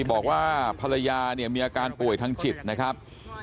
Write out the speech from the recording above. บอกว่าภรรยาเนี่ยมีอาการป่วยทางจิตนะครับ